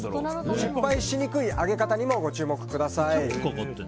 失敗しにくい揚げ方にもご注目ください。